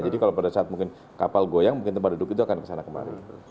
jadi kalau pada saat mungkin kapal goyang mungkin tempat duduk itu akan ke sana kembali